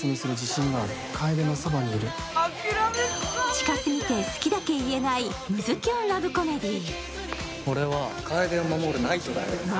近すぎて好きだけ言えないムズキュンラブコメディー。